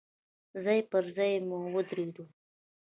ځای پر ځای به ودرېدو.